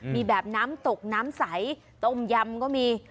มีแบบน้ำตกน้ำใสต้มยำก็มี